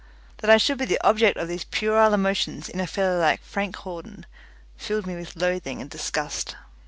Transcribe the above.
That I should be the object of these puerile emotions in a fellow like Frank Hawden, filled me with loathing and disgust.